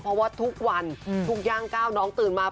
เพราะว่าทุกวันทุกย่างก้าวน้องตื่นมา